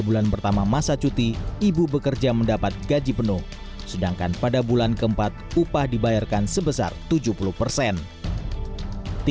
bulan pertama masa cuti ibu bekerja mendapat gaji penuh sedangkan ibu yang sudah berubah menjadi ibu yang sedang cuti melahirkan dimana untuk tiga bulan pertama masa cuti ibu bekerja mendapat gaji penuh sedangkan ibu bekerja mendapat gaji penuh sedangkan